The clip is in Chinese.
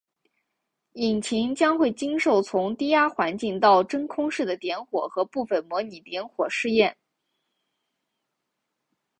引擎将会经受从低压环境到真空室的点火和部分模拟点火实验。